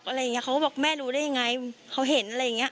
เขาก็บอกแม่ดูได้อย่างไรเขาเห็นอะไรอย่างนี้